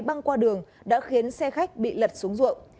băng qua đường đã khiến xe khách bị lật xuống ruộng